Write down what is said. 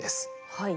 はい。